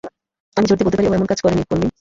আমি জোর দিয়ে বলতে পারি, ও এমন কাজ করেনি, পোন্নি।